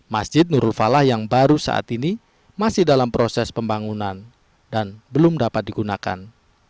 masjid nurul falah yang baru saat ini masih dalam proses pembangunan dan belum dapat digunakan